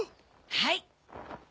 はい。